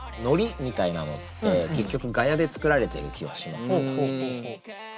ノリみたいなのって結局「ガヤ」で作られてる気はしますね。